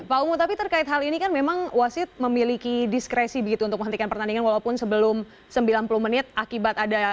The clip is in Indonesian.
pak umu tapi terkait hal ini kan memang wasit memiliki diskresi begitu untuk menghentikan pertandingan walaupun sebelum sembilan puluh menit akibat adanya